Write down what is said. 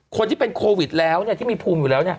คนที่เป็นโควิดแล้วที่มีภูมิอยู่แล้ว